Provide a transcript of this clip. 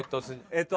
えっと。